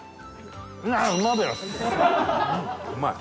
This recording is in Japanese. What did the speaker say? うまい。